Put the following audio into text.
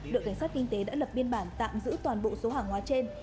đội cảnh sát kinh tế đã lập biên bản tạm giữ toàn bộ số hàng hóa trên